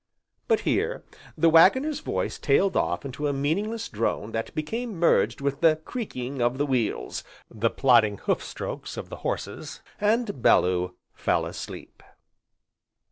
But here, the Waggoner's voice tailed off into a meaningless drone that became merged with the creaking of the wheels, the plodding hoof strokes of the horses, and Bellew fell asleep.